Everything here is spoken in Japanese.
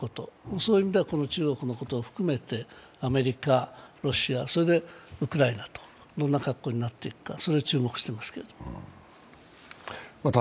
そういう意味では中国のことを含めて、アメリカ、ロシア、そしてウクライナと、どんな格好になっていくか、それに注目しています。